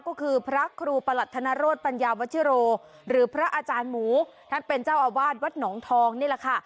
ก็คือพระครูประหลัดธนโรธปัญญาวชิโรหรือพระอาจารย์หมูท่านเป็นเจ้าอาวาสวัดหนองทองนี่แหละค่ะ